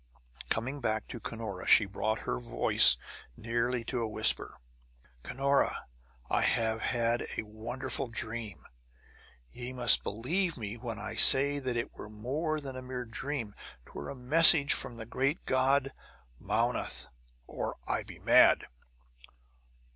Coming back to Cunora, she brought her voice nearly to a whisper: "Cunora, I have had a wonderful dream! Ye must believe me when I say that it were more than a mere dream; 'twere a message from the great god, Mownoth, or I be mad!"